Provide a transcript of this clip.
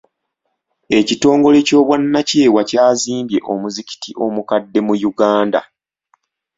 Ekitongole ky'obwannakyewa kyazimbye omuzikiti mukadde mu Uganda.